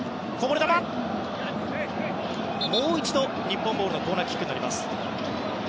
もう一度、日本ボールのコーナーキック。